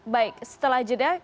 baik setelah jeda